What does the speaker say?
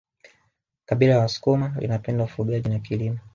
kabila la wasukuma linapenda ufugaji na kilimo